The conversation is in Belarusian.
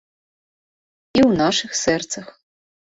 І ў нашых сэрцах.